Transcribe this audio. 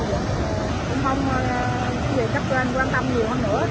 chú chèo dữ ác làm cầu chắc sẽ rất là lâu